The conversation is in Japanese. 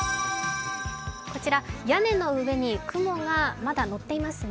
こちら屋根の上に雲がまだのっていますね。